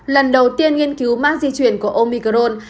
lần đầu tiên nghiên cứu mark di chuyển của omicron